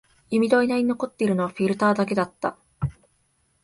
指の間に残っているのはフィルターだけだった